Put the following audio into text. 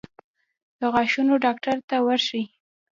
د غاښونو ډاکټر ته ورشئ